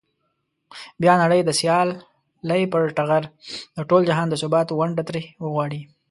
بیا نړۍ د سیالۍ پر ټغر د ټول جهان د ثبات ونډه ترې وغواړي.